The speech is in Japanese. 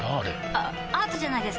あアートじゃないですか？